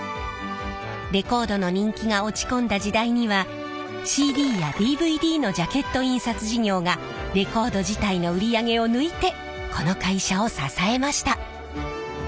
レコードの人気が落ち込んだ時代にはＣＤやＤＶＤのジャケット印刷事業がレコード自体の売り上げを抜いてこの会社を支えました。